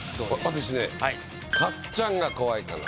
私ねかっちゃんが怖いかな。